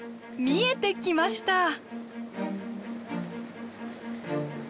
見えてきました。